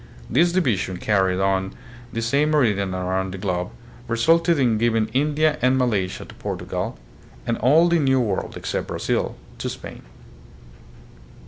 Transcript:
This division, carried on the same meridian around the globe, resulted in giving India and Malaysia to Portugal and all the New World, except Brazil, to Spain.